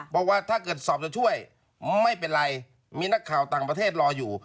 บอกว่าถ้าเกิดสอบจะช่วยไม่เป็นไรมีนักข่าวต่างประเทศรออยู่